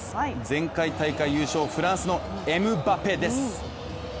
前回大会優勝、フランスのエムバペです。